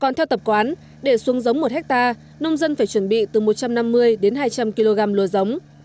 còn theo tập quán để xuống giống một hectare nông dân phải chuẩn bị từ một trăm năm mươi đến hai trăm linh kg lúa giống